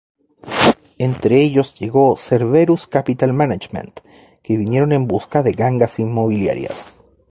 Entre ellos llegó Cerberus Capital Management, que vinieron en busca de gangas inmobiliarias.